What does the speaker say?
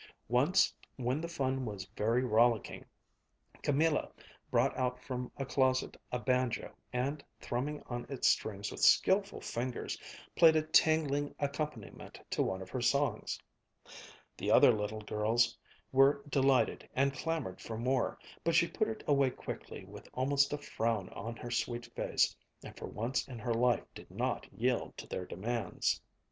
Once when the fun was very rollicking, Camilla brought out from a closet a banjo and, thrumming on its strings with skilful fingers, played a tingling accompaniment to one of her songs. The other little girls were delighted and clamored for more, but she put it away quickly with almost a frown on her sweet face, and for once in her life did not yield to their demands.